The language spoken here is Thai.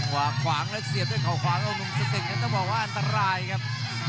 วางขวางแล้วเสียบด้วยเขาขวาของลุงสตึกนั้นต้องบอกว่าอันตรายครับ